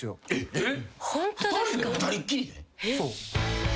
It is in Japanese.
えっ！